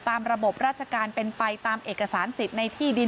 ตามระบบราชการเป็นไปตามเอกสารสิทธิ์ในที่ดิน